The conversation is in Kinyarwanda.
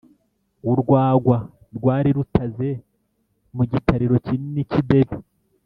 urwagwa rwari rutaze mu gitariro kinini cy'idebe.